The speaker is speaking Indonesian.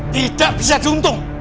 tidak bisa tuntung